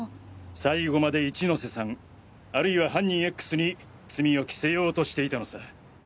最後まで一ノ瀬さんあるいは犯人“Ｘ”に罪を着せようとしていたのさ。